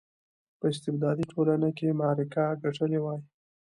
په استبدادي ټولنه کې معرکه ګټلې وای.